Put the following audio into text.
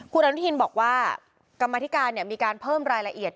คุณอนุทินบอกว่ากรรมธิการมีการเพิ่มรายละเอียด